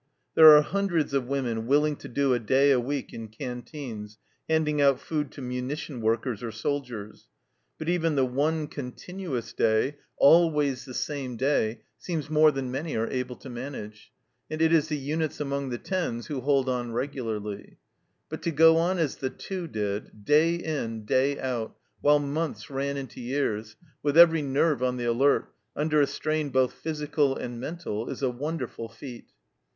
There are hundreds of women willing to do a day a week in canteens, handing out food to munition workers or soldiers, but even the one continuous day, always 189 190 THE CELLAR HOUSE OF PERVYSE the same day, seems more than many are able to manage, and it is the units among the tens who hold on regularly. But to go on as the Two did, day in, day out, while months ran into years, with every nerve on the alert, under a strain both physical and mental, is a wonderful feat.